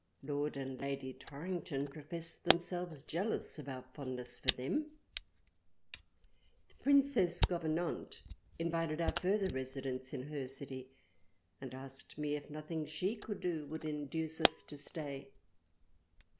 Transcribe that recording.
Lord & Lady Torrington professed themselves jealous of our fondness for them : The Princess Governante invited our further residence in her City and asked me if nothing she could do would induce us to stay